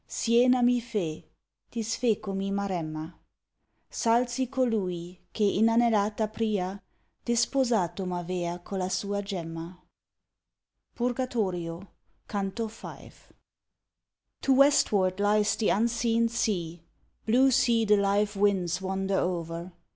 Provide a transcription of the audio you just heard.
Siena mi fe; disfecomi Maremma; Salsi colui, che, inanellata pria, Disposato m'avea colla sua gemma. Purgatorio, Canto V. To westward lies the unseen sea, Blue sea the live winds wander o'er.